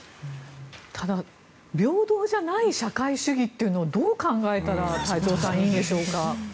ただ平等じゃない社会主義というのをどう考えたら太蔵さん、いいんでしょうか。